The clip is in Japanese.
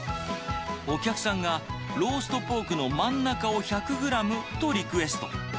お客さんがローストポークの真ん中を１００グラムとリクエスト。